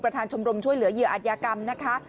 ประธานชมรมช่วยเหลือเหยื่ออาธิกรรมนะคะ